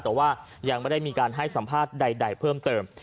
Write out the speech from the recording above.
แต่ว่ายังไม่ได้มีการให้สัมภาษณ์ใดเพิ่มเติม